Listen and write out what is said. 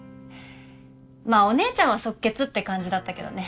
まあお姉ちゃんは即決って感じだったけどね。